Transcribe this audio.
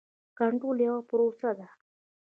کنټرول یوه پروسه ده.